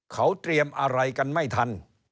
เขาเตรียมอะไรกันไม่ทัน